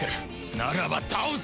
ならば倒す！